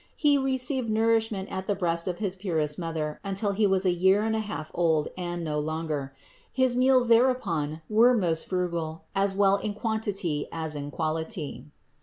He received nourishment at the breast of his purest Mother until He was a year and a half old and no longer. His meals thereupon were most frugal as well in quantity as in quality.